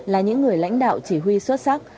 là những người lãnh đạo chỉ huy xuất sắc